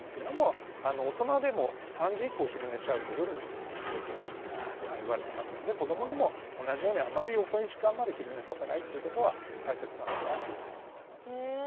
大人でも３時以降昼寝しちゃうと夜の睡眠に影響するっていわれてますんで子どもでも同じようにあまり遅い時間まで昼寝させないということは大切なのかなというふうに思います。